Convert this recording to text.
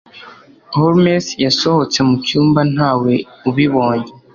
Holmes yasohotse mucyumba ntawe ubibonye